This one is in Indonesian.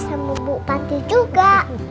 sama bu panti juga